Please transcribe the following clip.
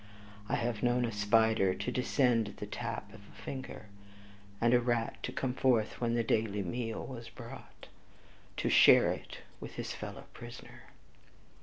I have known a spider to descend at the tap of a finger, and a rat to come forth when the daily meal was brought, to share it with his fellow prisoner!